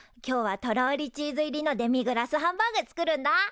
今日はとろりチーズ入りのデミグラスハンバーグ作るんだ！